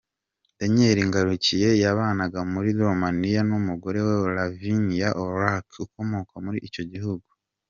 Daniel Ngarukiye yabanaga muri Romania n’umugore we Lavinia Orac ukomoka muri icyo gihugu.